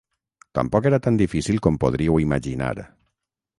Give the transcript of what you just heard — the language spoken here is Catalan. Tampoc era tan difícil com podríeu imaginar.